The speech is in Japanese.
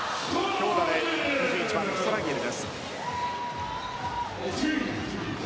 強打、２１番のストラギエル。